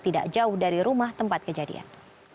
tidak jauh dari rumah tempat kejadian